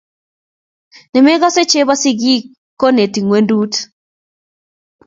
Nemogose chebo sisig goneti ngwedut